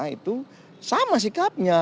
itu sama sikapnya